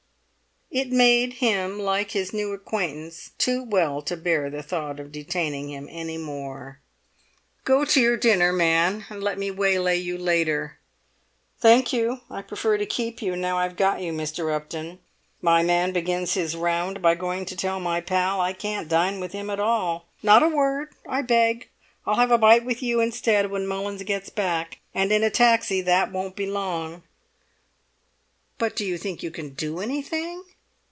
It made him like his new acquaintance too well to bear the thought of detaining him any more. "Go to your dinner, man, and let me waylay you later!" "Thank you, I prefer to keep you now I've got you, Mr. Upton! My man begins his round by going to tell my pal I can't dine with him at all. Not a word, I beg! I'll have a bite with you instead when Mullins gets back, and in a taxi that won't be long." "But do you think you can do anything?"